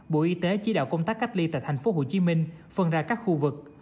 bộ y tế chỉ đạo công tác cách ly tại tp hcm phân ra các khu vực